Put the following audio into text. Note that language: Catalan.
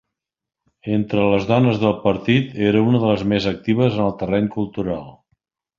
Entre les dones del partit era una de les més actives en el terreny cultural.